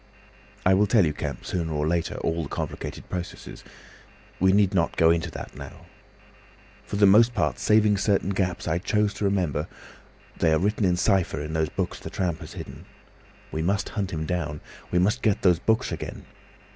"I will tell you, Kemp, sooner or later, all the complicated processes. We need not go into that now. For the most part, saving certain gaps I chose to remember, they are written in cypher in those books that tramp has hidden. We must hunt him down. We must get those books again.